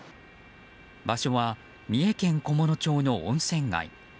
場所は三重県菰野町の温泉街。